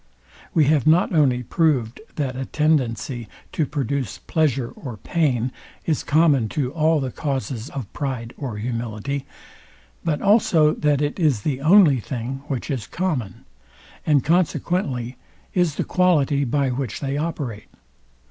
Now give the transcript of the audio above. We have not only proved, that a tendency to produce pleasure or pain is common to all the causes of pride or humility, but also that it is the only thing, which is common; and consequently is the quality, by which they operate.